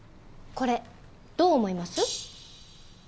これどう思います？